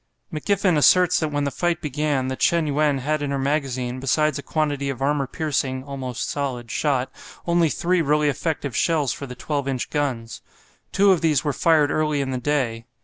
McGiffen asserts that when the fight began the "Chen yuen" had in her magazine, besides a quantity of armour piercing (almost solid) shot, only three really effective shells for the 12 inch guns. Two of these were fired early in the day.